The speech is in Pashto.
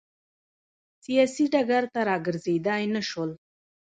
سیاسي ډګر ته راګرځېدای نه شول.